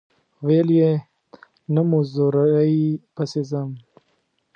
ویل یې نه مزدورۍ پسې ځم.